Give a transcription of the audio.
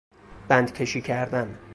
بندکشی کردن